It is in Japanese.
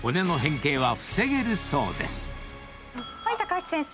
はい橋先生。